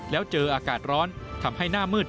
แล้วเจออากาศร้อนทำให้หน้ามืด